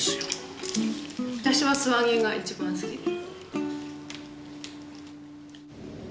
私は素揚げが一番好きです。